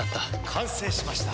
完成しました。